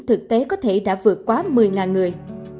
thực tế có thể đã vượt quá một mươi người